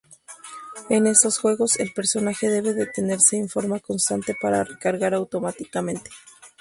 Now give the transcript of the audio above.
En esos juegos, el personaje debe detenerse en forma constante para recargar automáticamente.